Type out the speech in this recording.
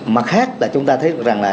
mà khác là chúng ta thấy được rằng là